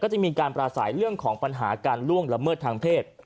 จะมีการปราศัยเรื่องของปัญหาการล่วงละเมิดทางเพศ